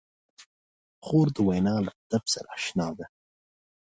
خور د وینا له ادب سره اشنا ده.